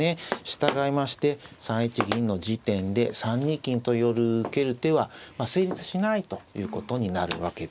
従いまして３一銀の時点で３二金と寄る受ける手は成立しないということになるわけです。